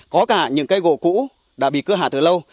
có cả những cây gỗ cũ đã bị cưa hạ từ lâu